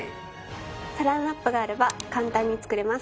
サランラップがあれば簡単に作れます。